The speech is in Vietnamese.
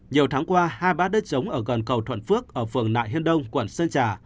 nhiều tháng qua hai bát đất trống ở gần cầu thuận phước ở phường nại hiên đông quận sơn trà